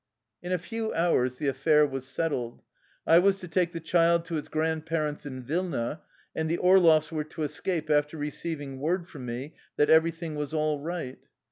In a few hours the affair was settled. I was to take the child to its grandparents in Vilna, and the Orloffs were to escape after receiving word from me that everything was " all right."